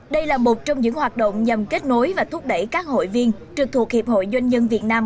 đây là một trong những hoạt động nhằm kết nối và thúc đẩy các hội viên trực thuộc hiệp hội doanh nhân việt nam